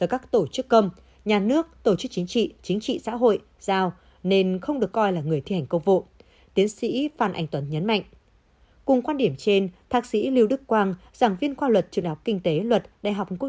do các tổ chức công nhà nước tổ chức chính trị chính trị xã hội giao